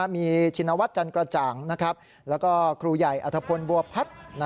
มีชินวัฒน์จันกระจ่างแล้วก็ครูใหญ่อัธพลบัวพัฒน์